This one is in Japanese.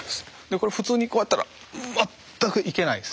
これ普通にこうやったら全くいけないです。